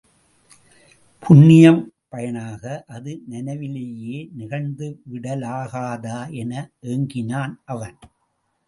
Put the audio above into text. புண்ணியப் பயனாக அது நனவிலேயே நிகழ்ந்துவிடலாகாதா? என ஏங்கினான் அவன்.